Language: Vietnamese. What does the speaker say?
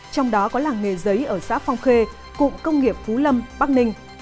trong đó có làng nghề giấy ở xã phong khê cụng công nghiệp phú lâm bắc ninh